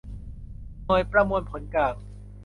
หน่วยประมวลผลกลาง